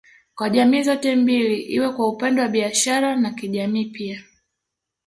Kwa jamii zote mbili iwe kwa upande wa biashara na kijamii pia